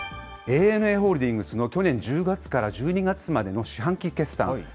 ＡＮＡホールディングスの去年１０月から１２月までの四半期決算。